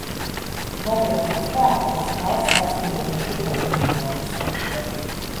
Nobrēcos tā, ka uz klasi atskrien ne tikai juniors.